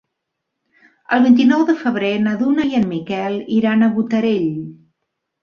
El vint-i-nou de febrer na Duna i en Miquel iran a Botarell.